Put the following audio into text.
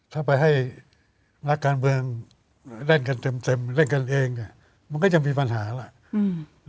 ถ้าแม้ให้ลักษณ์เมืองแร่งกันเต็มแล้วก็จะมีปัญหาแล้ว